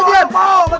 nih liat deh